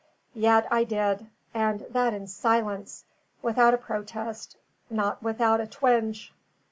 Yet I did, and that in silence; without a protest, not without a twinge.